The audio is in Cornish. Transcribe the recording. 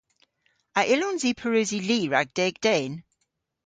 A yllons i pareusi li rag deg den?